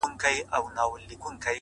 o ستا په تعويذ كي به خپل زړه وويني،